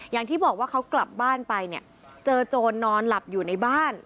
อย่างที่บอกว่าเขากลับบ้านไปเนี่ยเจอโจรนอนหลับอยู่ในบ้าน